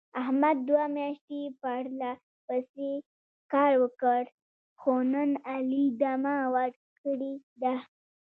احمد دوه میاشتې پرله پسې کار وکړ. خو نن علي دمه ور کړې ده.